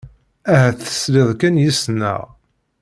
Ahat tesliḍ kan yes-neɣ.